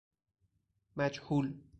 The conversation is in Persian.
مجهول